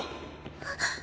あっ！